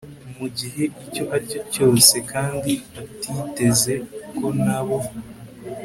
mu gihe icyo ari cyo cyose kandi batiteze ko na bo